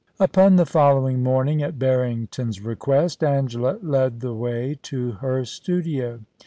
Upon the following morning, at Barrington's request, Angela led the way to her studio.